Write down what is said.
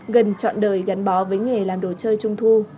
gần trọn đời gắn bó với nghề làm đồ chơi trung thu